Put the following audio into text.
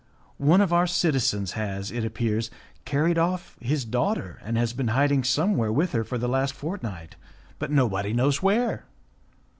One of our citizens has, it appears, carried off his daughter, and has been hiding somewhere with her for the last fortnight, but nobody knows where.